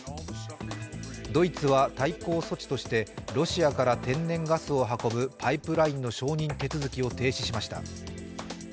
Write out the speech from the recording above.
ドイツは対抗措置としてロシアから天然ガスを運ぶパイプラインの承認手続きを停止しました。